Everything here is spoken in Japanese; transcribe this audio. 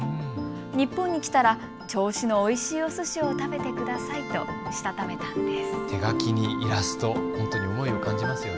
日本に来たら銚子のおいしいおすしを食べてくださいとしたためたんです。